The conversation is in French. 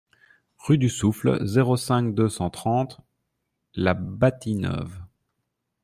Rue du Souffle, zéro cinq, deux cent trente La Bâtie-Neuve